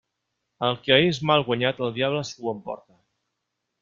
El que és mal guanyat el diable s'ho emporta.